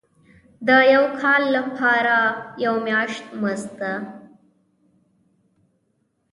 د یو کال کار لپاره یو میاشت مزد.